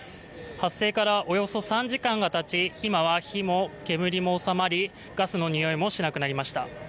発生からおよそ３時間がたち今は火も煙も収まりガスのにおいもしなくなりました。